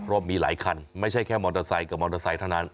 เพราะมีหลายคันไม่ใช่แค่มอเตอร์ไซค์กับมอเตอร์ไซค์เท่านั้น